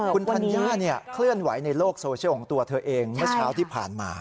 คุณธัญญาเคลื่อนไหวในโลกโซเชียลของตัวเธอเองเมื่อเช้าที่ผ่านมา